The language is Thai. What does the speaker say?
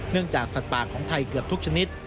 จากสัตว์ป่าของไทยเกือบทุกชนิด